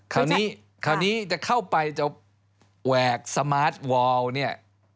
คราวนี้จะเข้าไปจะแหวกสมาร์ทวอลนี่